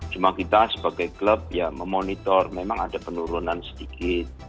cuma kita sebagai klub ya memonitor memang ada penurunan sedikit